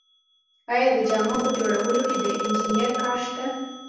آیا د جامو په جوړولو کې د انجینر کار شته